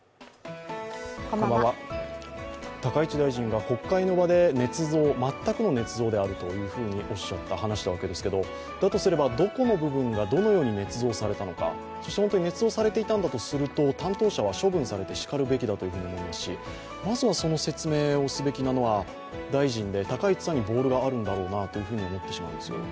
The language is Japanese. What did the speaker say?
高市大臣が国会の場でねつ造全くのねつ造であると話したわけですけれども、だとすれば、どこの部分がどのようにねつ造されたのか、本当にねつ造されていたのだとすると担当者は処分されてしかるべきだと思いますし、まずはその説明をすべきなのは大臣で、高市さんにボールがあるんだろうなと思ってしまいます。